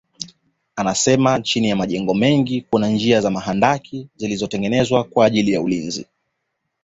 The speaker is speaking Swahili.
Anasema chini ya majengo mengi kuna njia za mahandaki zilizotengenezwa kwa ajili ya ulinzi